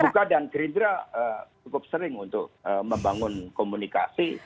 terbuka dan gerindra cukup sering untuk membangun komunikasi